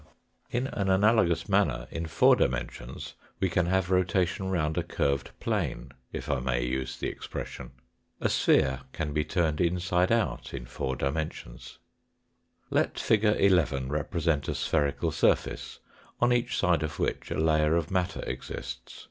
RECAPITULATION AND EXTENSION 217 In an analogous manner, in four dimensions we can have rotation round a curved plane, if I may use the expression. A sphere can be turned inside out in four dimensions. Let fig. 11 represent a spherical surface, on each side of which a layer of matter exists.